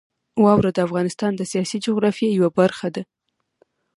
واوره د افغانستان د سیاسي جغرافیې یوه برخه ده.